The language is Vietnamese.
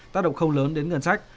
tác động không lớn đến ngân sách